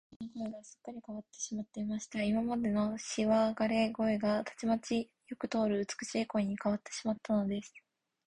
部下の男の声が、すっかりかわってしまいました。今までのしわがれ声が、たちまちよく通る美しい声にかわってしまったのです。